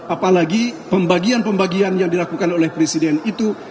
apalagi pembagian pembagian yang dilakukan oleh presiden itu